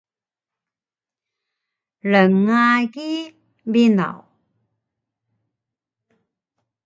Rngagi binaw!